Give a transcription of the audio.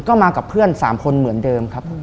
ก็มากับเพื่อน๓คนเหมือนเดิมครับ